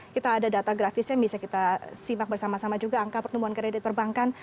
kita ada data grafisnya yang bisa kita simak bersama sama juga angka pertumbuhan kredit perbankan